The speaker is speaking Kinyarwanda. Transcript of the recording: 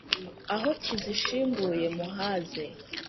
Aho kizishinguye muhaze,